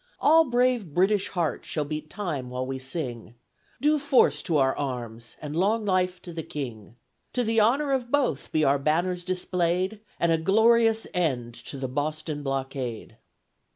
All brave BRITISH Hearts shall beat Time while we sing, Due Force to our Arms, and Long Life to the King. To the Honour of both be our Banners display'd, And a glorious End to the BOSTON BLOCKADE.